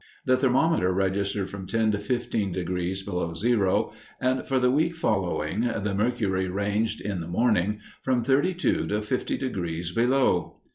The thermometer registered from ten to fifteen degrees below zero, and for the week following the mercury ranged, in the morning, from thirty two to fifty degrees below.